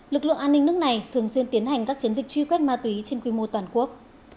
lực lượng an ninh nước này thường xuyên tiến hành các chiến dịch truy quét ma túy trên quy mô toàn quốc